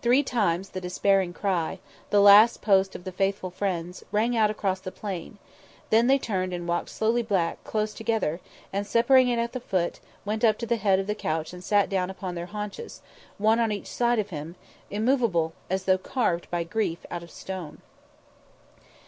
Three times the despairing cry, the Last Post of the faithful friends, rang out across the plain; then they turned and walked slowly back, close together, and, separating at the foot, went up to the head of the couch and sat down upon their haunches one on each side of Him; immovable; as though carved by grief out of stone.